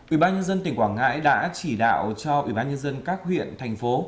ủy ban nhân dân tỉnh quảng ngãi đã chỉ đạo cho ủy ban nhân dân các huyện thành phố